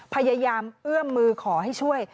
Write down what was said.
พยายามเอื้อมมือขอให้ช่วย